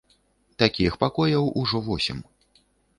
Такіх пакояў ужо восем.